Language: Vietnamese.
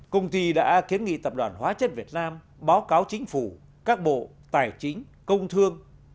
công ty đã kiến nghị tập đoàn hóa chất việt nam báo cáo chính phủ các bộ tài chính công thương